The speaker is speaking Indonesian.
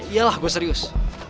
yalah gua serius